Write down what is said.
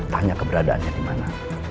tanya keberadaannya dimana